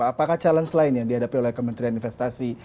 apakah challenge lain yang dihadapi oleh kementerian investasi